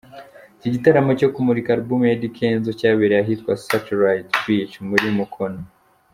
Iki gitaramo cyo kumurika alubumu ya Eddy Kenzo cyabereye ahitwa Satellite Beach muri Mukono.